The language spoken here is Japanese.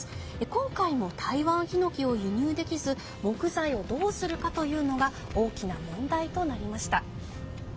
今回もタイワンヒノキを輸入できず、木材をどうするかが大きな問題となりました。